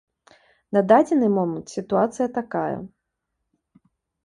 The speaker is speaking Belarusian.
На дадзены момант сітуацыя такая.